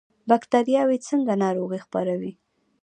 بکتریاوې څنګه ناروغي خپروي؟